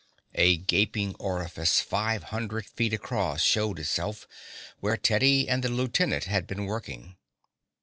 A gaping orifice, five hundred feet across, showed itself where Teddy and the lieutenant had been working.